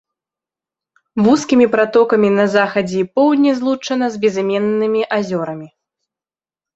Вузкімі пратокамі на захадзе і поўдні злучана з безыменнымі азёрамі.